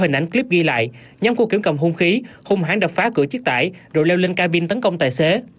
hình ảnh clip ghi lại nhóm của kiểm cầm hung khí hung hãn đập phá cửa chiếc tải rồi leo lên cabin tấn công tài xế